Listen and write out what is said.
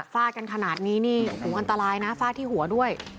ฟ้ากันขนาดนี้อ่ะโหอันตรายนะฟ้าที่หัวด้วย